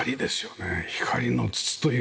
光の筒というか。